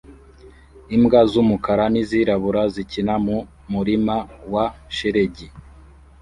Imbwa z'umukara n'izirabura zikina mu murima wa shelegi